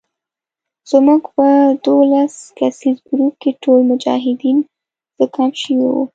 زموږ په دولس کسیز ګروپ کې ټول مجاهدین زکام شوي وو.